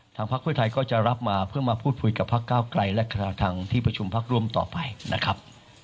พักเพื่อไทยก็จะรับมาเพื่อมาพูดคุยกับพักเก้าไกลและคณะทางที่ประชุมพักร่วมต่อไปนะครับ